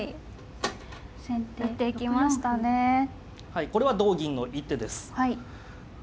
はいこれは同銀の一手です。